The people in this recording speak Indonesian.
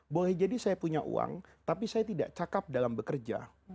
boleh jadi saya punya uang tapi saya tidak cakep dalam bekerja